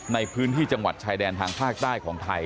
ในพื้นที่จังหวัดชายแดนทางภาคใต้ของไทย